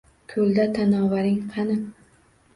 Koʼlda tanovaring qani?